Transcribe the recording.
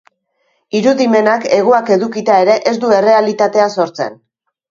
Irudimenak hegoak edukita ere, ez du errealitatea sortzen.